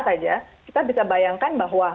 saja kita bisa bayangkan bahwa